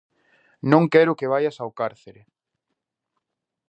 Non quero que vaias ao cárcere!